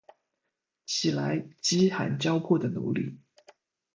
起来，饥寒交迫的奴隶！